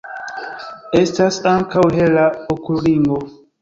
Estas ankaŭ hela okulringo.